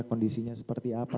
kondisinya seperti apa